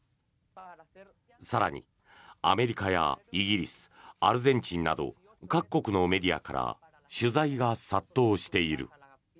更に、アメリカやイギリスアルゼンチンなど各国のメディアから取材が殺到している。